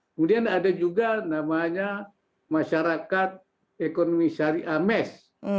kemudian ada juga namanya masyarakat ekonomi syariah mes